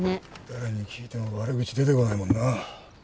誰に聞いても悪口出てこないもんな。